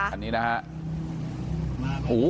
อันนี้นะฮะ